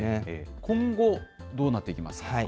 今後、どうなっていきますか。